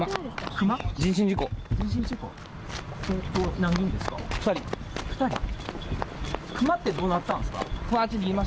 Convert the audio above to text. クマってどうなったんですか？